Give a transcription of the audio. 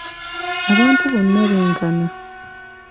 Abantu bonna benkana.